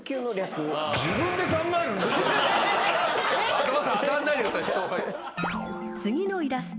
的場さん当たんないでください。